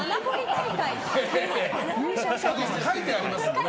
書いてありますね。